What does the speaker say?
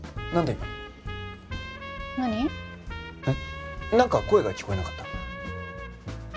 えっなんか声が聞こえなかった？